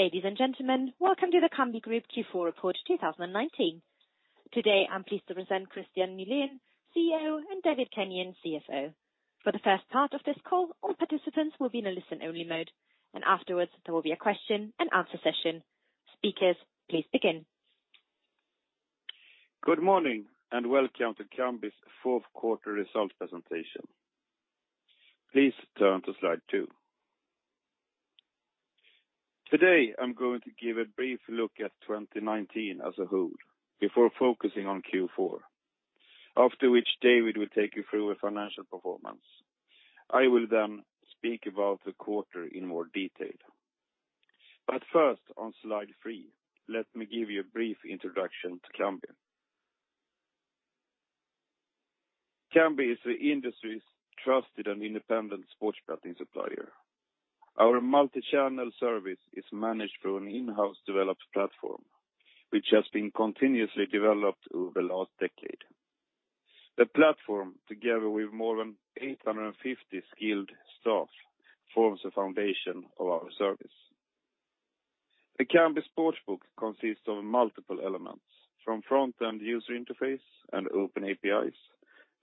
Ladies and gentlemen, welcome to the Kambi Group Q4 Report 2019. Today, I'm pleased to present Kristian Nylén, CEO, and David Kenyon, CFO. For the first part of this call, all participants will be in a listen-only mode, and afterwards, there will be a question-and-answer session. Speakers, please begin. Good morning, and welcome to Kambi's Q4 results presentation. Please turn to Slide two. Today, I am going to give a brief look at 2019 as a whole before focusing on Q4. After which David will take you through our financial performance. I will then speak about the quarter in more detail. First, on Slide three, let me give you a brief introduction to Kambi. Kambi is the industry's trusted and independent sports betting supplier. Our multi-channel service is managed through an in-house developed platform, which has been continuously developed over the last decade. The platform, together with more than 850 skilled staff, forms the foundation of our service. The Kambi Sportsbook consists of multiple elements, from front-end user interface and open APIs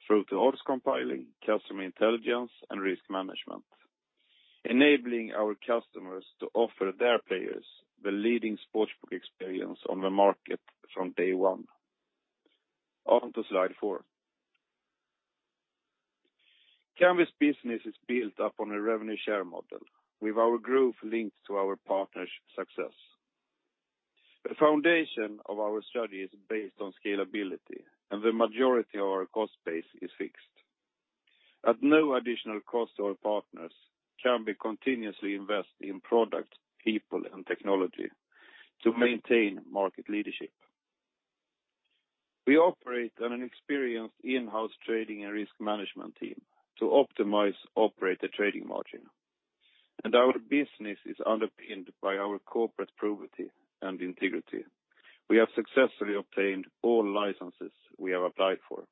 through to odds compiling, customer intelligence, and risk management, enabling our customers to offer their players the leading sportsbook experience on the market from day one. On to Slide four. Kambi's business is built upon a revenue share model, with our growth linked to our partners' success. The foundation of our strategy is based on scalability, and the majority of our cost base is fixed. At no additional cost to our partners, Kambi continuously invest in product, people, and technology to maintain market leadership. We operate on an experienced in-house trading and risk management team to optimize operator trading margin, and our business is underpinned by our corporate probity and integrity. We have successfully obtained all licenses we have applied for.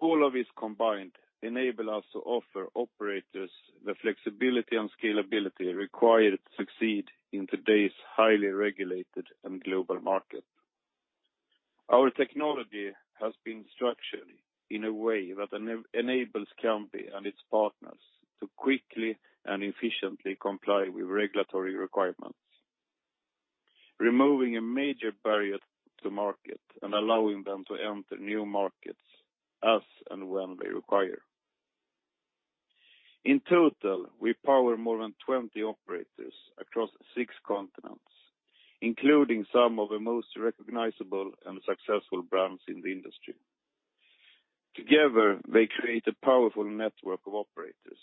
All of this combined enable us to offer operators the flexibility and scalability required to succeed in today's highly regulated and global market. Our technology has been structured in a way that enables Kambi and its partners to quickly and efficiently comply with regulatory requirements, removing a major barrier to market and allowing them to enter new markets as and when they require. In total, we power more than 20 operators across six continents, including some of the most recognizable and successful brands in the industry. Together, they create a powerful network of operators.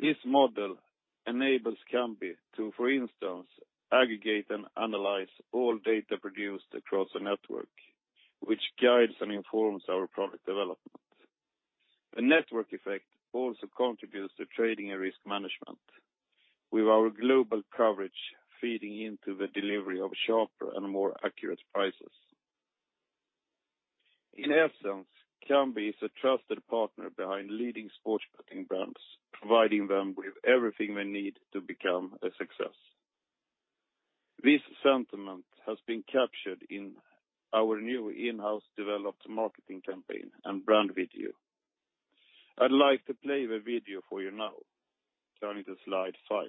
This model enables Kambi to, for instance, aggregate and analyze all data produced across the network, which guides and informs our product development. The network effect also contributes to trading and risk management, with our global coverage feeding into the delivery of sharper and more accurate prices. In essence, Kambi is a trusted partner behind leading sports betting brands, providing them with everything they need to become a success. This sentiment has been captured in our new in-house developed marketing campaign and brand video. I'd like to play the video for you now. Turning to Slide 5.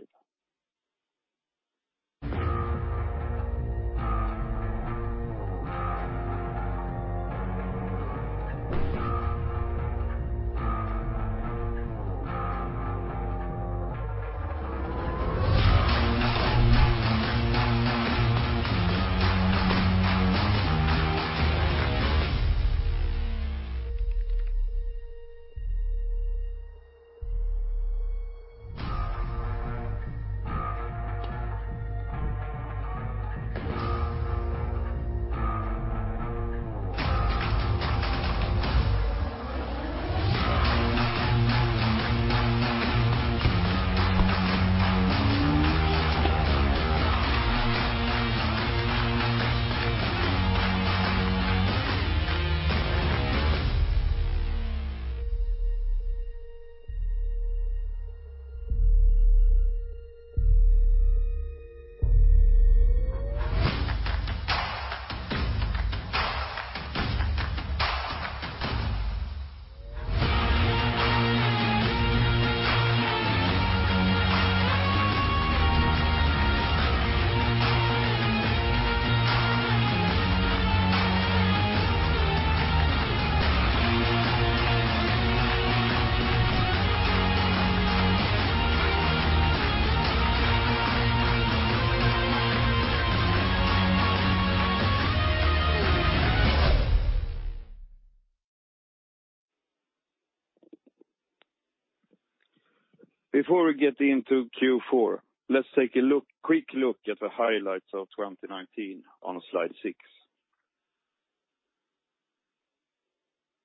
Before we get into Q4, let's take a quick look at the highlights of 2019 on Slide 6.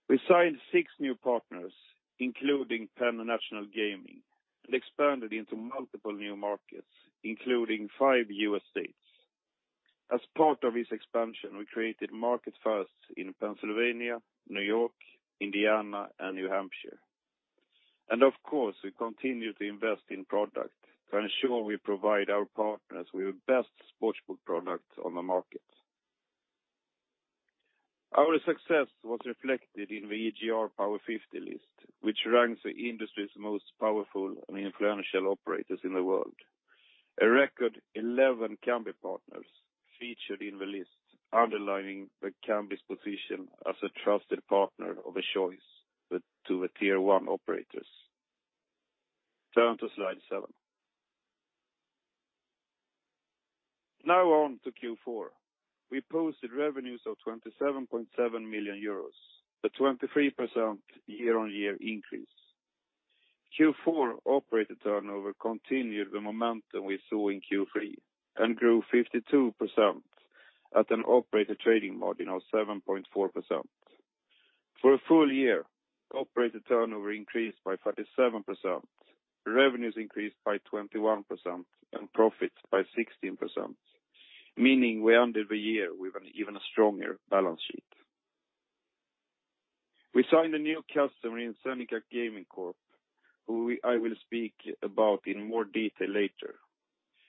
We signed six new partners, including Penn National Gaming, and expanded into multiple new markets, including five U.S. states. As part of this expansion, we created market firsts in Pennsylvania, New York, Indiana, and New Hampshire. Of course, we continue to invest in product to ensure we provide our partners with the best sportsbook product on the market. Our success was reflected in the EGR Power 50 list, which ranks the industry's most powerful and influential operators in the world. A record 11 Kambi partners featured in the list, underlining Kambi's position as a trusted partner of choice to the tier 1 operators. Turn to slide seven. On to Q4. We posted revenues of 27.7 million euros, a 23% year-on-year increase. Q4 operator turnover continued the momentum we saw in Q3 and grew 52% at an operator trading margin of 7.4%. For a full year, operator turnover increased by 37%, revenues increased by 21% and profits by 16%, meaning we ended the year with an even stronger balance sheet. We signed a new customer in Seneca Gaming Corp, who I will speak about in more detail later,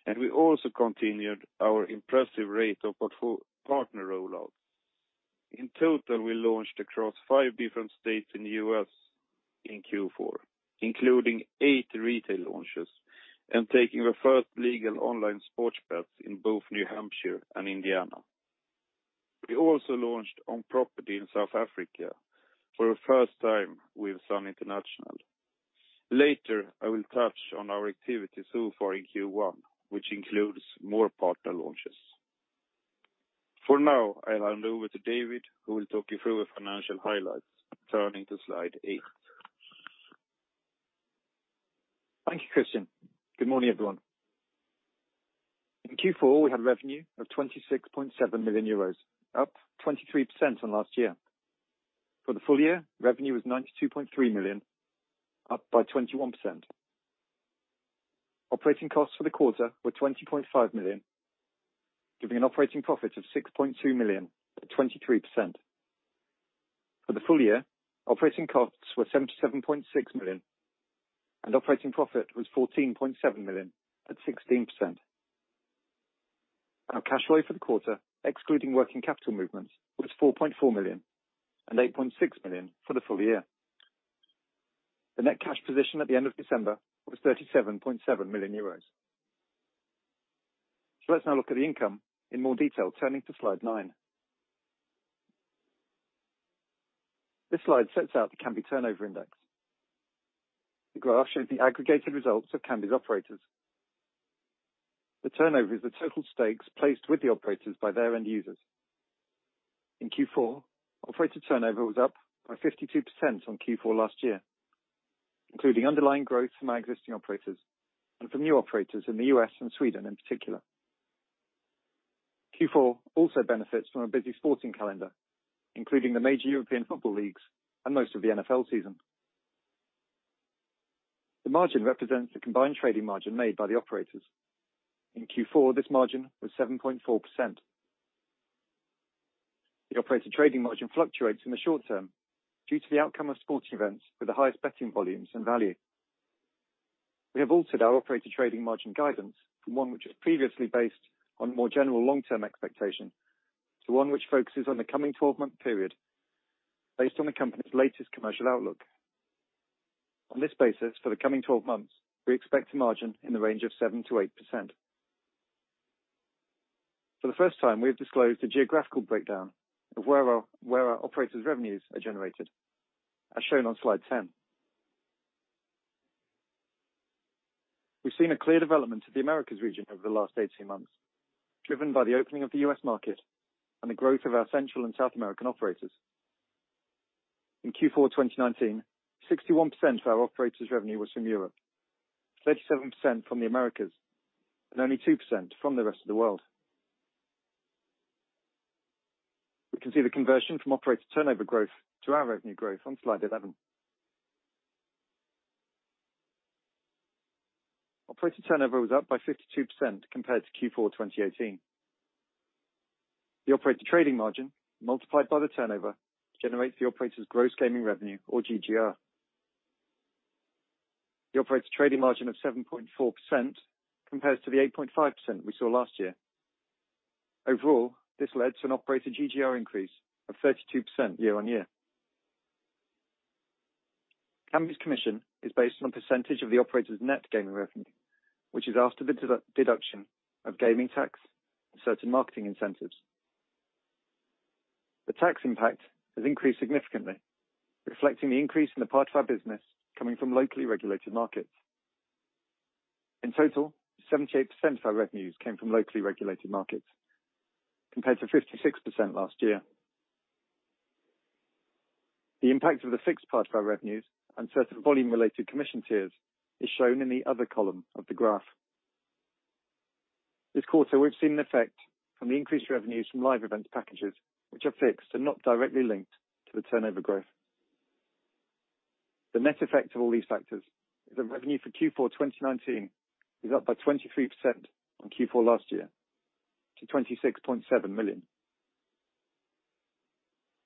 and we also continued our impressive rate of partner rollout. In total, we launched across five different states in the U.S. in Q4, including eight retail launches and taking the first legal online sports bets in both New Hampshire and Indiana. We also launched on property in South Africa for the first time with Sun International. Later, I will touch on our activity so far in Q1, which includes more partner launches. For now, I'll hand over to David, who will talk you through the financial highlights, turning to slide eight. Thank you, Khristian. Good morning, everyone. In Q4, we had revenue of €26.7 million, up 23% on last year. For the full year, revenue was €92.3 million, up by 21%. Operating costs for the quarter were €20.5 million, giving an operating profit of €6.2 million at 23%. For the full year, operating costs were €77.6 million and operating profit was €14.7 million at 16%. Our cash flow for the quarter, excluding working capital movements, was €4.4 million and €8.6 million for the full year. The net cash position at the end of December was €37.7 million. Let's now look at the income in more detail, turning to slide nine. This slide sets out the Kambi turnover index. The graph shows the aggregated results of Kambi's operators. The turnover is the total stakes placed with the operators by their end users. In Q4, operator turnover was up by 52% on Q4 last year, including underlying growth from our existing operators and from new operators in the U.S. and Sweden in particular. Q4 also benefits from a busy sporting calendar, including the major European football leagues and most of the NFL season. The margin represents the combined trading margin made by the operators. In Q4, this margin was 7.4%. The operator trading margin fluctuates in the short term due to the outcome of sports events with the highest betting volumes and value. We have altered our operator trading margin guidance from one which was previously based on more general long-term expectation to one which focuses on the coming 12-month period based on the company's latest commercial outlook. On this basis, for the coming 12 months, we expect a margin in the range of 7%-8%. For the first time, we have disclosed a geographical breakdown of where our operators' revenues are generated, as shown on slide 10. We've seen a clear development of the Americas region over the last 18 months, driven by the opening of the U.S. market and the growth of our Central and South American operators. In Q4 2019, 61% of our operator's revenue was from Europe, 37% from the Americas, and only 2% from the rest of the world. We can see the conversion from operator turnover growth to our revenue growth on slide 11. Operator turnover was up by 52% compared to Q4 2018. The operator trading margin, multiplied by the turnover, generates the operator's gross gaming revenue or GGR. The operator trading margin of 7.4% compares to the 8.5% we saw last year. Overall, this led to an operator GGR increase of 32% year-on-year. Kambi's commission is based on a percentage of the operator's net gaming revenue, which is after the deduction of gaming tax and certain marketing incentives. The tax impact has increased significantly, reflecting the increase in the part of our business coming from locally regulated markets. In total, 78% of our revenues came from locally regulated markets, compared to 56% last year. The impact of the fixed part of our revenues and certain volume-related commission tiers is shown in the other column of the graph. This quarter, we've seen an effect from the increased revenues from live event packages, which are fixed and not directly linked to the turnover growth. The net effect of all these factors is that revenue for Q4 2019 is up by 23% on Q4 last year to 26.7 million.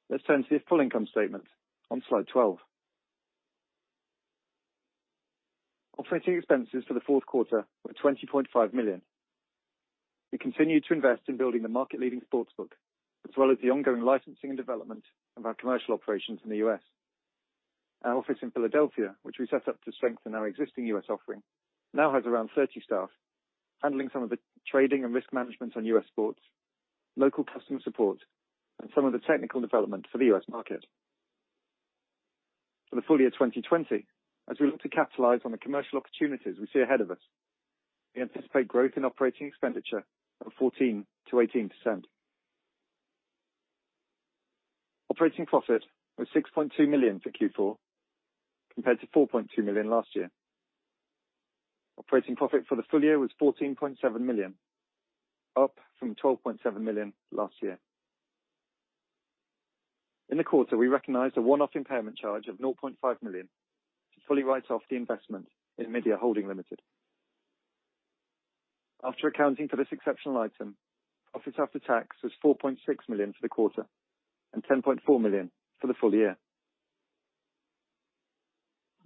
Let's turn to the full income statement on slide 12. Operating expenses for the fourth quarter were 20.5 million. We continued to invest in building the market-leading sports book, as well as the ongoing licensing and development of our commercial operations in the U.S. Our office in Philadelphia, which we set up to strengthen our existing U.S. offering, now has around 30 staff handling some of the trading and risk management on U.S. sports, local customer support, and some of the technical development for the U.S. market. For the full year 2020, as we look to capitalize on the commercial opportunities we see ahead of us, we anticipate growth in operating expenditure of 14%-18%. Operating profit was 6.2 million for Q4 compared to 4.2 million last year. Operating profit for the full year was 14.7 million, up from 12.7 million last year. In the quarter, we recognized a one-off impairment charge of 0.5 million to fully write off the investment in Media Holding Limited. After accounting for this exceptional item, profits after tax was 4.6 million for the quarter and 10.4 million for the full year.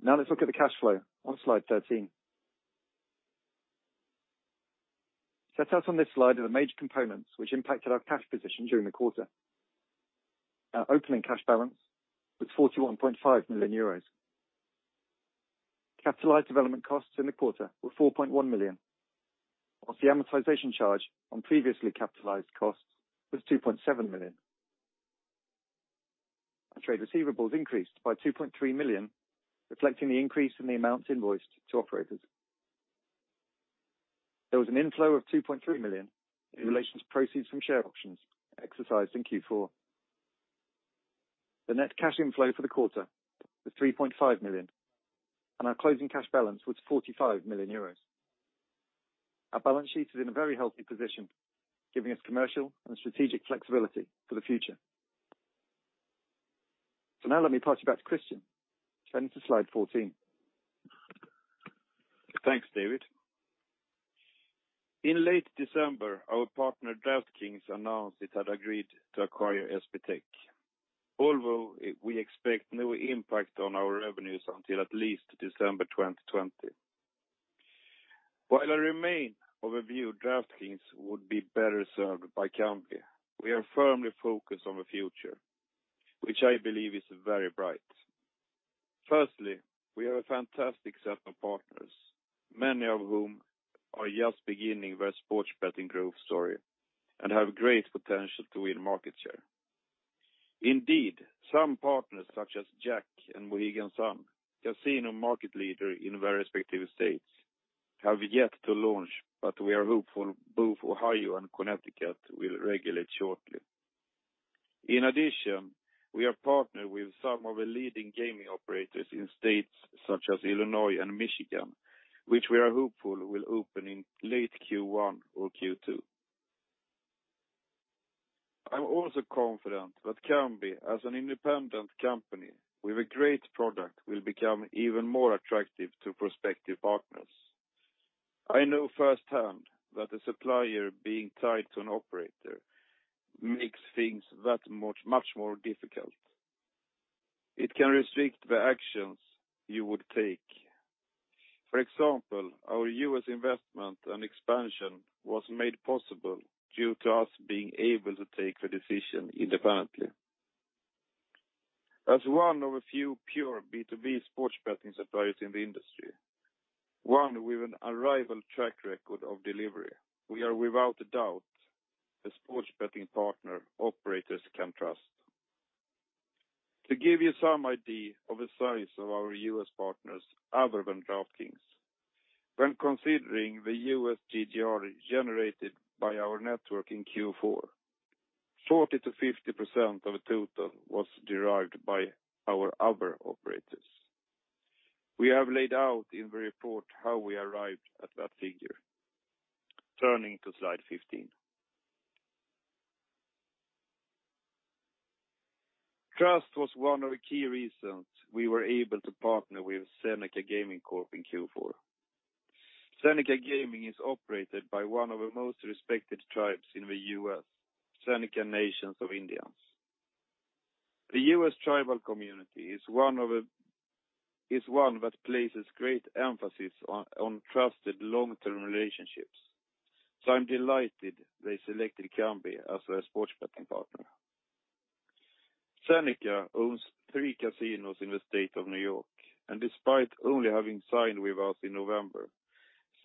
Let's look at the cash flow on slide 13. Set out on this slide are the major components which impacted our cash position during the quarter. Our opening cash balance was 41.5 million euros. Capitalized development costs in the quarter were 4.1 million, whilst the amortization charge on previously capitalized costs was 2.7 million. Our trade receivables increased by 2.3 million, reflecting the increase in the amounts invoiced to operators. There was an inflow of 2.3 million in relation to proceeds from share options exercised in Q4. The net cash inflow for the quarter was 3.5 million, and our closing cash balance was 45 million euros. Our balance sheet is in a very healthy position, giving us commercial and strategic flexibility for the future. Now let me pass you back to Kristian. Turning to slide 14. Thanks, David. In late December, our partner DraftKings announced it had agreed to acquire SBTech. Although we expect no impact on our revenues until at least December 2020. While I remain of the view DraftKings would be better served by Kambi, we are firmly focused on the future, which I believe is very bright. Firstly, we have a fantastic set of partners, many of whom are just beginning their sports betting growth story and have great potential to win market share. Indeed, some partners such as Jack's Casino and Mohegan Sun, casino market leader in their respective states, have yet to launch, but we are hopeful both Ohio and Connecticut will regulate shortly. In addition, we are partnered with some of the leading gaming operators in states such as Illinois and Michigan, which we are hopeful will open in late Q1 or Q2. I'm also confident that Kambi, as an independent company with a great product, will become even more attractive to prospective partners. I know firsthand that the supplier being tied to an operator makes things that much more difficult. It can restrict the actions you would take. For example, our U.S. investment and expansion was made possible due to us being able to take the decision independently. As one of a few pure B2B sports betting suppliers in the industry, one with an unrivaled track record of delivery, we are without a doubt the sports betting partner operators can trust. To give you some idea of the size of our U.S. partners other than DraftKings, when considering the U.S. GGR generated by our network in Q4, 40%-50% of the total was derived by our other operators. We have laid out in the report how we arrived at that figure. Turning to slide 15. Trust was one of the key reasons we were able to partner with Seneca Gaming Corp. in Q4. Seneca Gaming is operated by one of the most respected tribes in the U.S., Seneca Nation of Indians. The U.S. tribal community is one that places great emphasis on trusted long-term relationships. I'm delighted they selected Kambi as their sports betting partner. Seneca owns three casinos in the state of New York, and despite only having signed with us in November,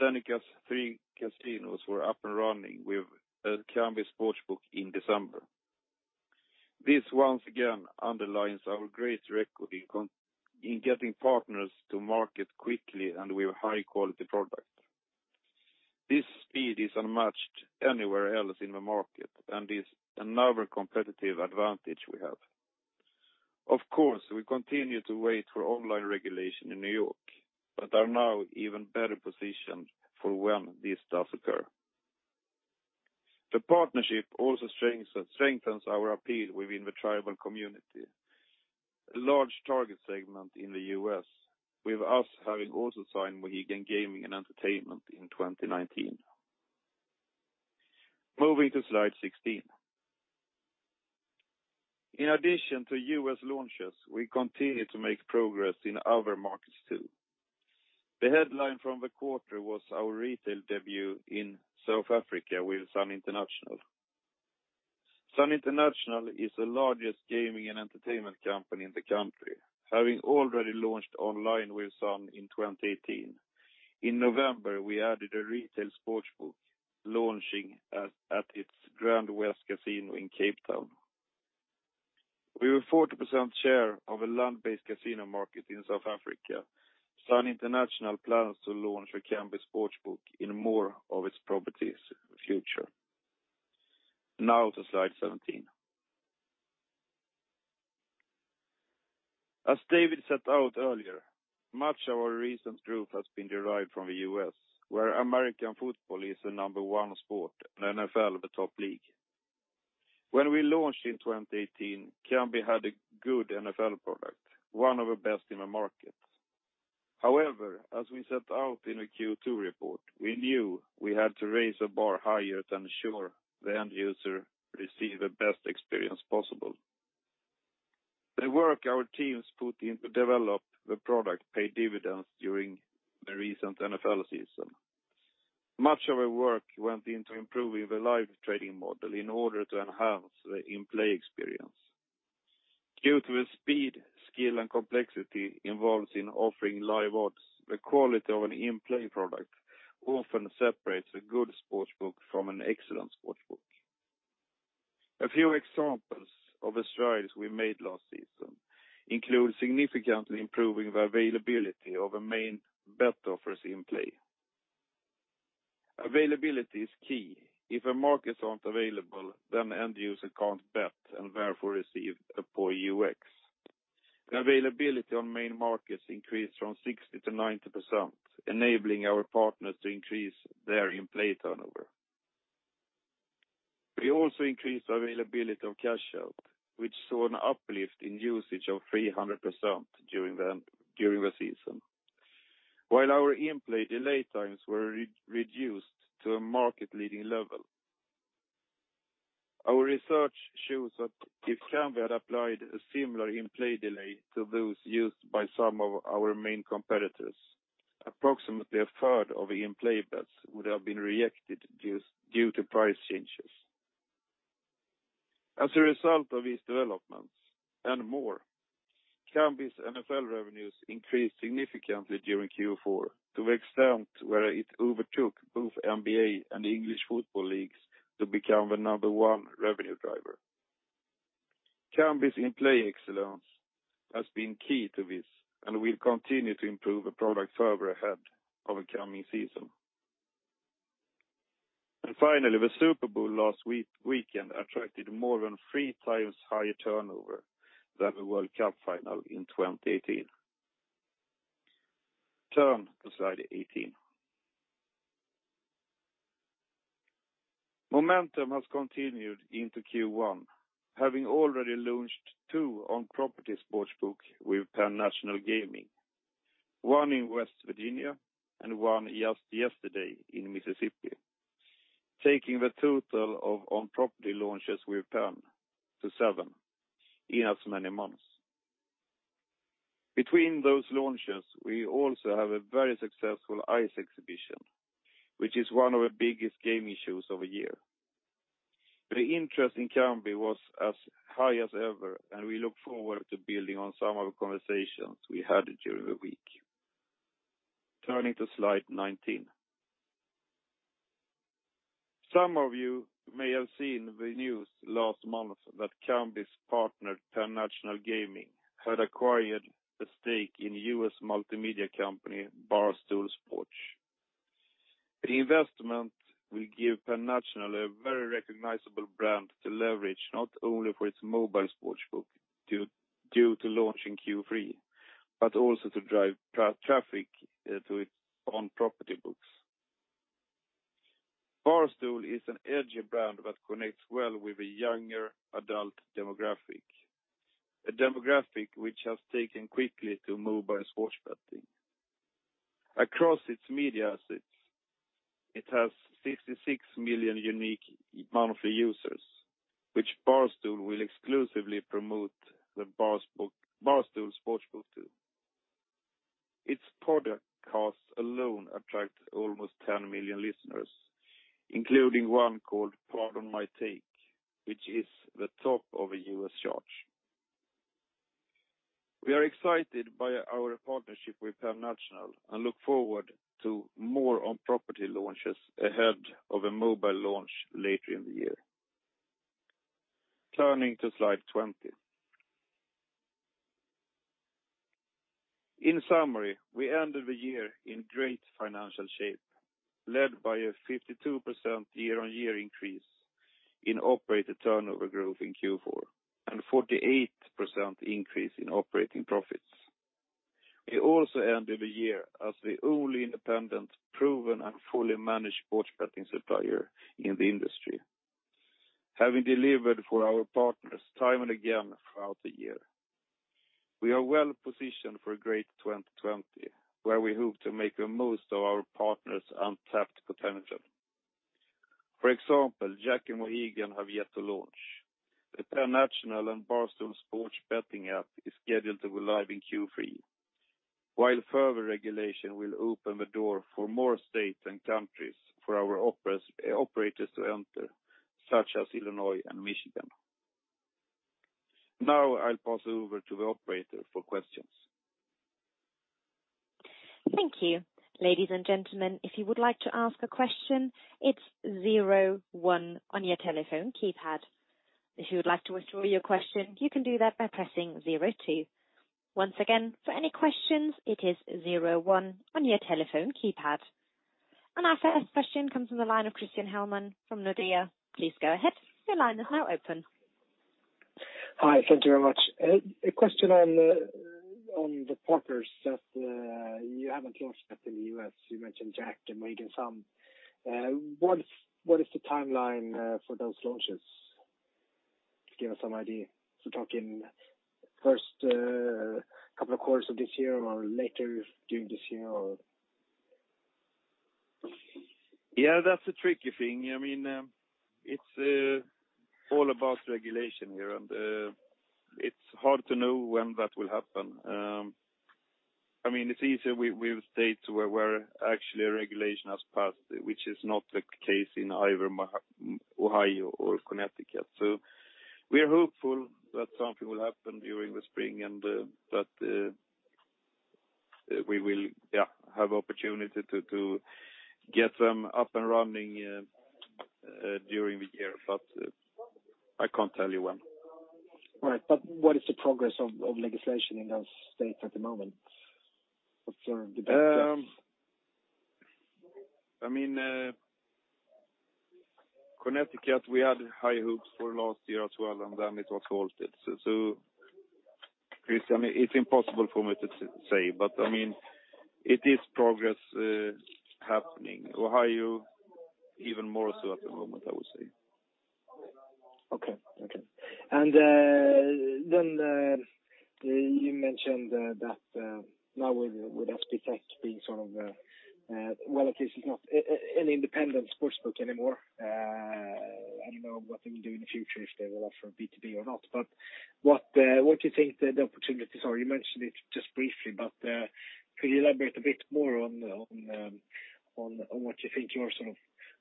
Seneca's three casinos were up and running with the Kambi Sportsbook in December. This once again underlines our great record in getting partners to market quickly and with a high-quality product. This speed is unmatched anywhere else in the market and is another competitive advantage we have. Of course, we continue to wait for online regulation in New York, but are now even better positioned for when this does occur. The partnership also strengthens our appeal within the tribal community, a large target segment in the U.S., with us having also signed Mohegan Gaming & Entertainment in 2019. Moving to slide 16. In addition to U.S. launches, we continue to make progress in other markets, too. The headline from the quarter was our retail debut in South Africa with Sun International. Sun International is the largest gaming and entertainment company in the country, having already launched online with Sun in 2018. In November, we added a retail sportsbook launching at its GrandWest Casino in Cape Town. With a 40% share of the land-based casino market in South Africa, Sun International plans to launch a Kambi Sportsbook in more of its properties in the future. Now to slide 17. As David set out earlier, much of our recent growth has been derived from the U.S., where American football is the number one sport, and NFL, the top league. When we launched in 2018, Kambi had a good NFL product, one of the best in the market. However, as we set out in a Q2 report, we knew we had to raise the bar higher to ensure the end user received the best experience possible. The work our teams put in to develop the product paid dividends during the recent NFL season. Much of our work went into improving the live trading model in order to enhance the in-play experience. Due to the speed, skill, and complexity involved in offering live odds, the quality of an in-play product often separates a good sportsbook from an excellent sportsbook. A few examples of the strides we made last season include significantly improving the availability of the main bet offers in play. Availability is key. If the markets aren't available, then the end user can't bet and therefore receive a poor UX. The availability on main markets increased from 60% - 90%, enabling our partners to increase their in-play turnover. We also increased availability of cash out, which saw an uplift in usage of 300% during the season. While our in-play delay times were reduced to a market-leading level. Our research shows that if Kambi had applied a similar in-play delay to those used by some of our main competitors, approximately a third of in-play bets would have been rejected due to price changes. As a result of these developments and more, Kambi's NFL revenues increased significantly during Q4, to the extent where it overtook both NBA and the English Football Leagues to become the number one revenue driver. Kambi's in-play excellence has been key to this and will continue to improve the product further ahead of the coming season. Finally, the Super Bowl last weekend attracted more than three times higher turnover than the World Cup final in 2018. Turn to slide 18. Momentum has continued into Q1, having already launched two on-property sportsbook with Penn National Gaming, one in West Virginia and one just yesterday in Mississippi, taking the total of on-property launches with Penn to seven in as many months. Between those launches, we also had a very successful ICE exhibition, which is one of the biggest gaming shows of the year. The interest in Kambi was as high as ever, and we look forward to building on some of the conversations we had during the week. Turning to slide 19. Some of you may have seen the news last month that Kambi's partner, Penn National Gaming, had acquired a stake in U.S. multimedia company Barstool Sports. The investment will give Penn National a very recognizable brand to leverage, not only for its mobile sportsbook due to launch in Q3, but also to drive traffic to its on-property books. Barstool is an edgy brand that connects well with a younger adult demographic, a demographic which has taken quickly to mobile sports betting. Across its media assets, it has 66 million unique monthly users, which Barstool will exclusively promote the Barstool Sportsbook to. Its podcast alone attracts almost 10 million listeners, including one called Pardon My Take, which is the top of the U.S. charts. We are excited by our partnership with Penn National and look forward to more on-property launches ahead of a mobile launch later in the year. Turning to slide 20. In summary, we ended the year in great financial shape, led by a 52% year-on-year increase in operator turnover growth in Q4 and 48% increase in operating profits. We also ended the year as the only independent proven and fully managed sports betting supplier in the industry, having delivered for our partners time and again throughout the year. We are well-positioned for a great 2020, where we hope to make the most of our partners' untapped potential. For example, Jack in Mohegan have yet to launch. The Penn National and Barstool Sports betting app is scheduled to go live in Q3, while further regulation will open the door for more states and countries for our operators to enter, such as Illinois and Michigan. I'll pass over to the operator for questions. Thank you. Ladies and gentlemen, if you would like to ask a question, it's zero one on your telephone keypad. If you would like to withdraw your question, you can do that by pressing zero two. Once again, for any questions, it is zero one on your telephone keypad. Our first question comes from the line of Christian Hellman from Nordea. Please go ahead. Your line is now open. Hi. Thank you very much. A question on the partners that you haven't launched yet in the U.S. You mentioned Jack's Casino and Mohegan Sun. What is the timeline for those launches? Give us some idea. Talking first couple of quarters of this year or later during this year? Yeah, that's the tricky thing. It's all about regulation here, and it's hard to know when that will happen. It's easier with states where actually a regulation has passed, which is not the case in either Ohio or Connecticut. We are hopeful that something will happen during the spring, and that we will have opportunity to get them up and running during the year. I can't tell you when. Right. What is the progress of legislation in those states at the moment? What's the best guess? Connecticut, we had high hopes for last year as well, and then it was halted. Kristian, it's impossible for me to say, but it is progress happening. Ohio, even more so at the moment, I would say. Okay. You mentioned that now with SBTech being well, at least it's not an independent sportsbook anymore. I don't know what they will do in the future, if they will offer B2B or not. What do you think the opportunities are? You mentioned it just briefly, but could you elaborate a bit more on what you think your sort of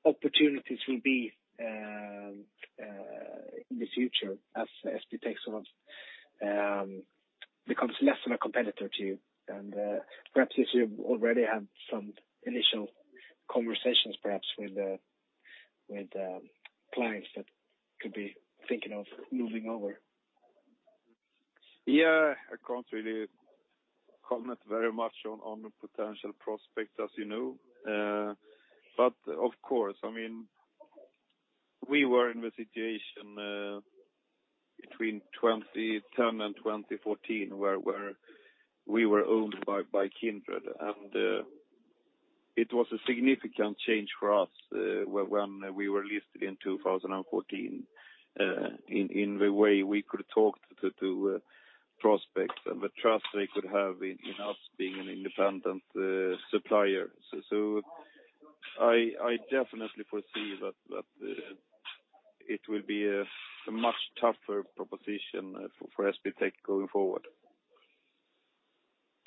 opportunities will be in the future as SBTech sort of becomes less of a competitor to you? Perhaps if you already have some initial conversations perhaps with clients that could be thinking of moving over. Yeah, I can't really comment very much on the potential prospects, as you know. Of course, we were in the situation between 2010 and 2014, where we were owned by Kindred, and it was a significant change for us when we were listed in 2014 in the way we could talk to prospects and the trust they could have in us being an independent supplier. I definitely foresee that it will be a much tougher proposition for SBTech going forward.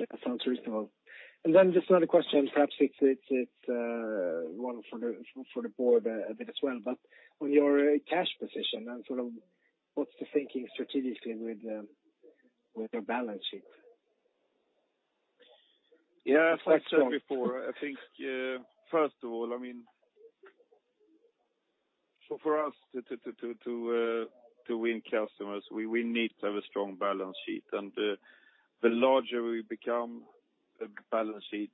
That sounds reasonable. Just another question, perhaps it's one for the board a bit as well. On your cash position and sort of what's the thinking strategically with the balance sheet? Yeah, as I said before, I think first of all, for us to win customers, we need to have a strong balance sheet, and the larger we become, the balance sheet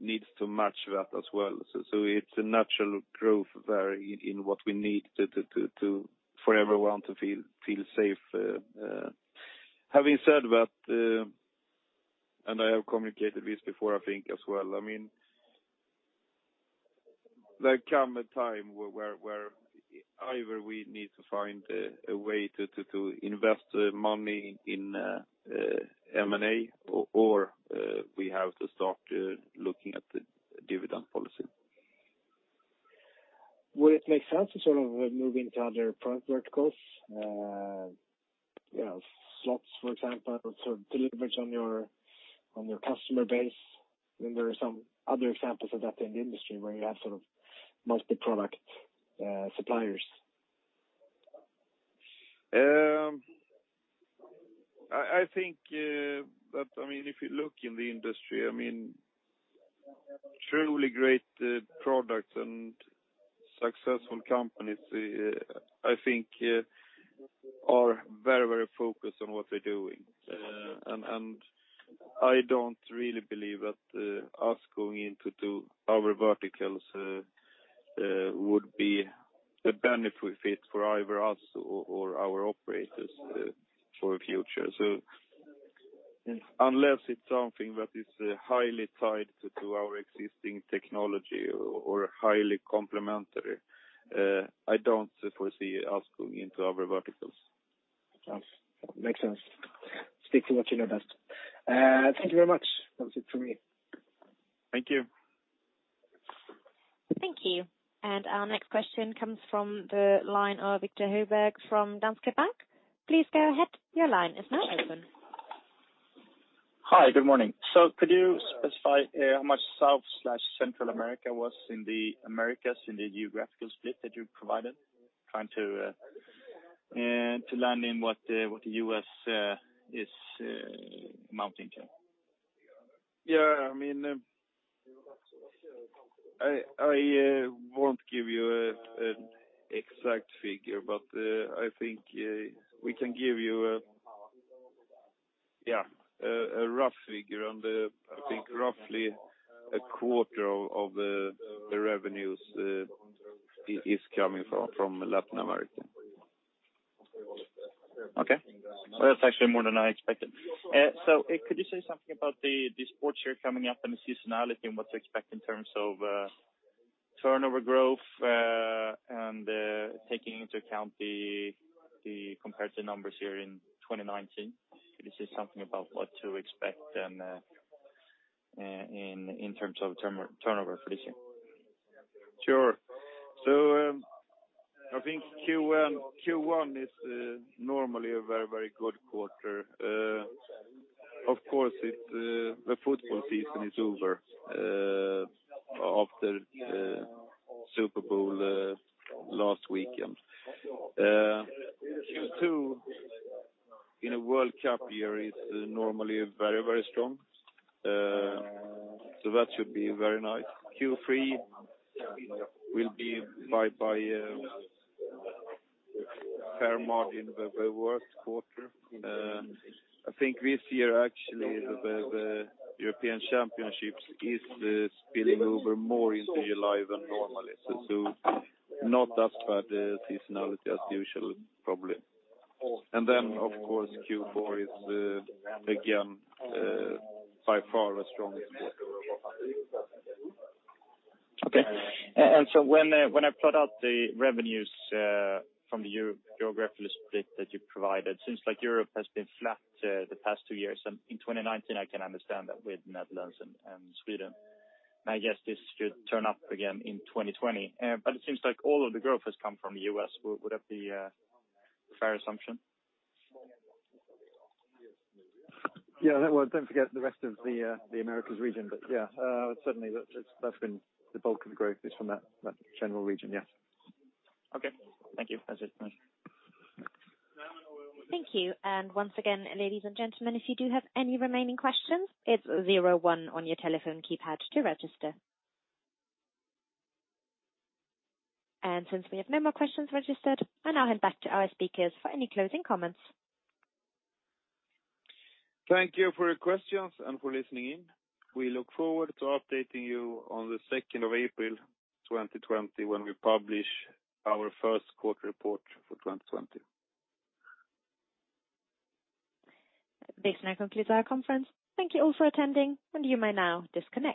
needs to match that as well. It's a natural growth there in what we need for everyone to feel safe. Having said that, I have communicated this before I think as well. There come a time where either we need to find a way to invest money in M&A or we have to start looking at the dividend policy. Would it make sense to sort of move into other product verticals, slots for example, to leverage on your customer base? There are some other examples of that in the industry where you have sort of multi-product suppliers. I think that if you look in the industry, truly great products and successful companies, I think are very focused on what they're doing. I don't really believe that us going into other verticals would be a benefit for either us or our operators for the future. Unless it's something that is highly tied to our existing technology or highly complementary, I don't foresee us going into other verticals. Makes sense. Stick to what you know best. Thank you very much. That was it for me. Thank you. Thank you. Our next question comes from the line of Victor Rosberg from Danske Bank. Please go ahead. Your line is now open. Hi, good morning. Could you specify how much South/Central America was in the Americas in the geographical split that you provided? Trying to land in what the U.S. is amounting to. Yeah. I won't give you an exact figure, but I think we can give you a rough figure. I think roughly a quarter of the revenues is coming from Latin America. Okay. Well, that's actually more than I expected. Could you say something about the sports year coming up and the seasonality and what to expect in terms of turnover growth and taking into account the comparison numbers here in 2019? Could you say something about what to expect and in terms of turnover for this year? Sure. I think Q1 is normally a very, very good quarter. Of course, the football season is over after Super Bowl last weekend. Q2 in a World Cup year is normally very, very strong. That should be very nice. Q3 will be by a fair margin, the worst quarter. I think this year, actually, the European championships is spilling over more into July than normal. Not as bad a seasonality as usual, probably. Of course, Q4 is again, by far our strongest quarter. Okay. When I plot out the revenues from the geographical split that you provided, seems like Europe has been flat the past two years. In 2019, I can understand that with Netherlands and Sweden. My guess this should turn up again in 2020. It seems like all of the growth has come from the U.S. Would that be a fair assumption? Yeah. Well, don't forget the rest of the Americas region. Yeah, certainly, the bulk of the growth is from that general region, yes. Okay. Thank you. That's it. Thank you. Once again, ladies and gentlemen, if you do have any remaining questions, it's 01 on your telephone keypad to register. Since we have no more questions registered, I now hand back to our speakers for any closing comments. Thank you for your questions and for listening in. We look forward to updating you on the 2nd of April 2020 when we publish our Q1 report for 2020. This now concludes our conference. Thank you all for attending and you may now disconnect.